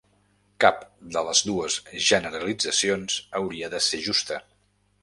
Cap de les dues generalitzacions hauria de ser justa.